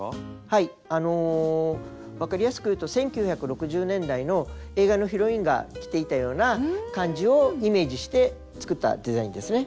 はいあのわかりやすくいうと１９６０年代の映画のヒロインが着ていたような感じをイメージして作ったデザインですね。